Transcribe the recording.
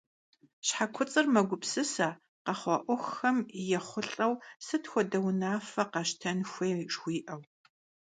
Щхьэ куцӀыр мэгупсысэ, къэхъуа Ӏуэхухэм ехъулӀэу сыт хуэдэ унафэ къэщтэн хуей жыхуиӀэу.